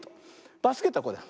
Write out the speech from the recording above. バスケットはこうだよ。